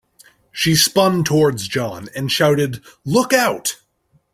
She spun towards John and shouted, "Look Out!"